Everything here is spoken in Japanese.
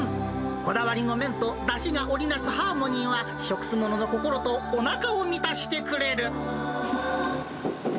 こだわりの麺とだしがおりなすハーモニーは、食す者の心とおなかを満たしてくれる。